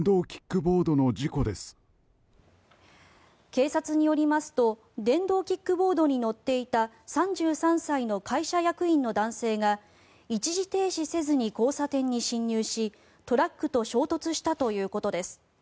警察によりますと電動キックボードに乗っていた３３歳の会社役員の男性が一時停止せずに交差点に進入しトラックと衝突したということです。